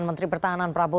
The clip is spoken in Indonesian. kok tahu kamu